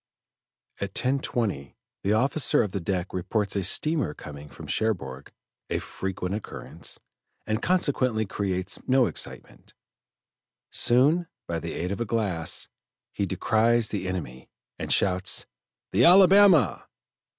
At 10.20 the officer of the deck reports a steamer coming from Cherbourg, a frequent occurrence, and consequently creates no excitement. Soon, by the aid of a glass, he descries the enemy, and shouts: "The Alabama!"